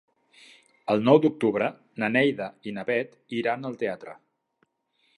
El nou d'octubre na Neida i na Bet iran al teatre.